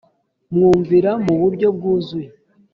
mwumvira mu buryo bwuzuye